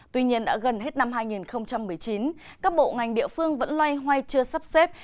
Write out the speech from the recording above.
tuy nhiên đã gần hết năm hai nghìn một mươi chín các bộ ngành địa phương vẫn loay hoay chưa sắp xếp